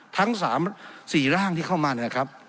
ทั้ง๓๔ร่างที่เข้ามาเนี่ยครับ